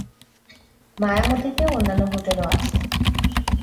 মায়ামিতে অন্যান্য হোটেলও আছে।